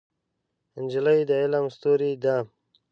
نجلۍ د علم ستورې ده.